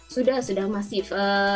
sudah sudah masif